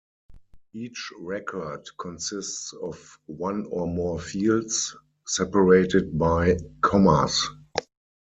Each record consists of one or more fields, separated by commas.